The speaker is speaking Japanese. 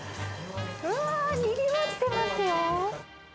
うわー、にぎわってますよ。